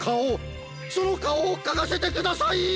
そのかおをかかせてください！